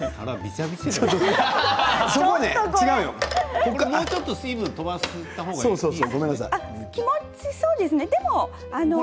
本当は、もうちょっと水分を飛ばした方がいいですか。